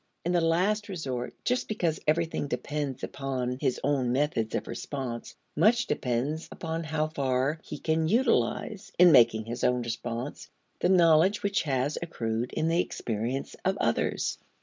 In the last resort, just because everything depends upon his own methods of response, much depends upon how far he can utilize, in making his own response, the knowledge which has accrued in the experience of others.